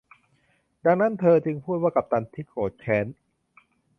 ดังนั้นเธอจึงพูดว่ากัปตันที่โกรธแค้น